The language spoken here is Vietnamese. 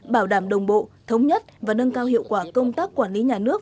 bảo đảm đồng bộ thống nhất và nâng cao hiệu quả công tác quản lý nhà nước